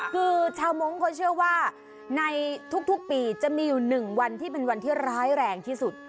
คือชาวมงค์เขาเชื่อว่าในทุกปีจะมีอยู่๑วันที่เป็นวันที่ร้ายแรงที่สุด